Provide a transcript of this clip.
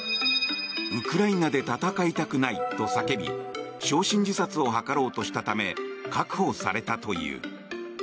ウクライナで戦いたくないと叫び焼身自殺を図ろうとしたため確保されたという。